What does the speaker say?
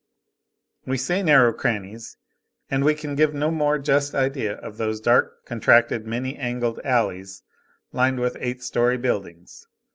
We say narrow crannies, and we can give no more just idea of those dark, contracted, many angled alleys, lined with eight story buildings.